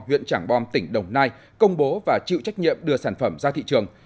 huyện trảng bom tỉnh đồng nai công bố và chịu trách nhiệm đưa sản phẩm ra thị trường